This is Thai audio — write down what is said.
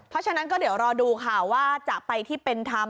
เพราะฉะนั้นก็เดี๋ยวรอดูค่ะว่าจะไปที่เป็นธรรม